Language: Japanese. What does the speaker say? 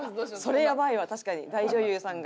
それやばいわ確かに大女優さんが。